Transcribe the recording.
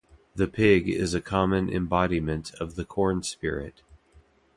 The pig is a common embodiment of the corn spirit.